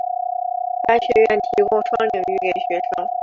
该学院提供双领域给学生。